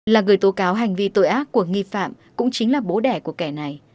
là người tố cáo hành vi tội ác của nghi phạm cũng chính là bố đẻ của kẻ này